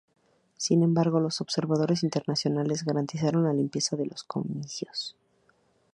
Sin embargo, los observadores internacionales garantizaron la limpieza de los comicios.